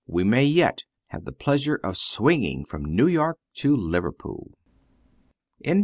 We may yet have the pleasure of swinging from New York to Liverpool. JOHN BRIGHT.